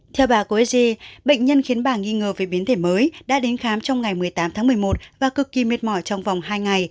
theo bà cô esg bệnh nhân khiến bà nghi ngờ về biến thể mới đã đến khám trong ngày một mươi tám tháng một mươi một và cực kỳ mệt mỏi trong vòng hai ngày